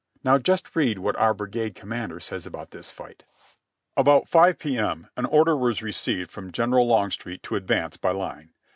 Now just read what our brigade commander says about this f^ght: "About 5 P. M. an order was received from General Long street to advance by line.